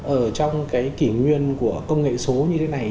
ở trong cái kỷ nguyên của công nghệ số như thế này